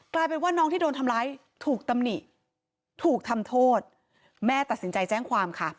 กลายเป็นว่าน้องที่โดนทำร้ายถูกตำหนิถูกทำโทษแม่ตัดสินใจแจ้งความค่ะ